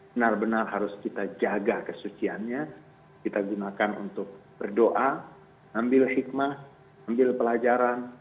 benar benar harus kita jaga kesuciannya kita gunakan untuk berdoa ambil hikmah ambil pelajaran